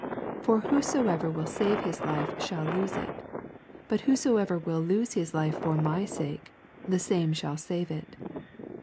24 For whosoever will save his life shall lose it : but whosoever will lose his life for my sake, the same shall save it.